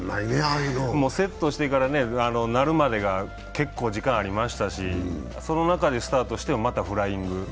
セットしてから鳴るまでが、結構時間ありましたし、その中でスタートして、またフライング。